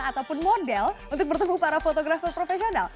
ataupun model untuk bertemu para fotografer profesional